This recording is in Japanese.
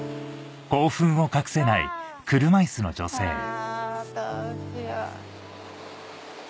わぁどうしよう。